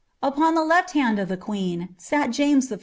Upon the lef\ hand of the queen sat James I.